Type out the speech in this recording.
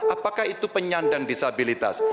apakah itu penyandang disabilitas